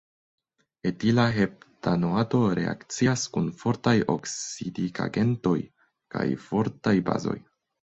Etila heptanoato reakcias kun fortaj oksidigagentoj kaj fortaj bazoj.